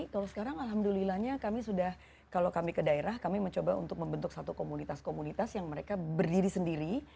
kalau sekarang alhamdulillahnya kami sudah kalau kami ke daerah kami mencoba untuk membentuk satu komunitas komunitas yang mereka berdiri sendiri